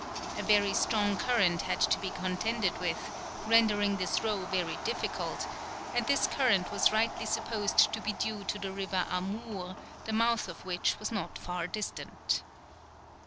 A very strong current had to be contended with, rendering this row very difficult, and this current was rightly supposed to be due to the River Amoor, the mouth of which was not far distant.